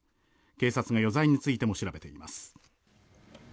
警察が余罪についても調べています。